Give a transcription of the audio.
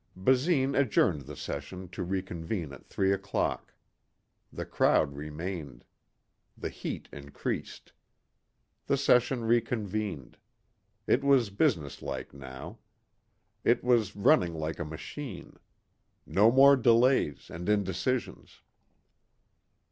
Basine adjourned the session to reconvene at 3 o'clock. The crowd remained. The heat increased. The session reconvened. It was businesslike now. It was running like a machine. No more delays and indecisions.